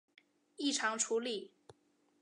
异常处理